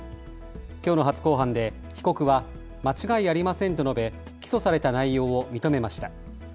きょうの初公判で被告は間違いありませんと述べ起訴された内容を認めました。